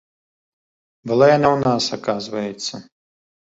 Была яна ў нас, аказваецца.